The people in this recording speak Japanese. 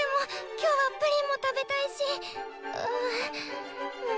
今日はプリンも食べたいし。